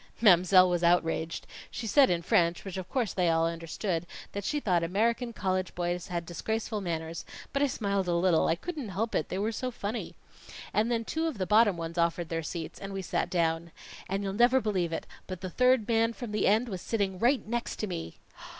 "Mam'selle was outraged. She said in French, which of course they all understood, that she thought American college boys had disgraceful manners; but I smiled a little I couldn't help it, they were so funny. And then two of the bottom ones offered their seats, and we sat down. And you'll never believe it, but the third man from the end was sitting right next to me!"